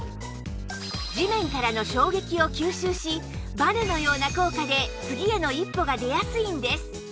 地面からの衝撃を吸収しバネのような効果で次への一歩が出やすいんです